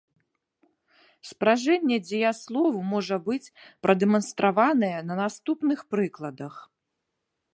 Спражэнне дзеяслову можа быць прадэманстраванае на наступных прыкладах.